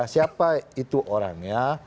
siapa itu orangnya